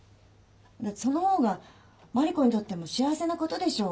・その方が万理子にとっても幸せなことでしょう？